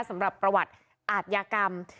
สำหรับประวัติอาทยากรรม